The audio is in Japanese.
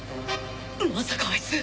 まさかあいつ！